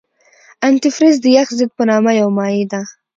انتي فریز د یخ ضد په نامه یو مایع ده.